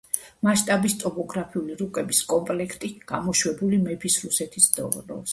მასშტაბის ტოპოგრაფიული რუკების კომპლექტი, გამოშვებული მეფის რუსეთის დროს.